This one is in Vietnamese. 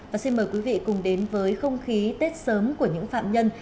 và xin mời quý vị cùng đến với không khí tết sớm của những phạm nhân